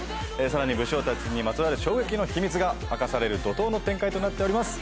さらに武将たちにまつわる衝撃の秘密が明かされる怒濤の展開となっております。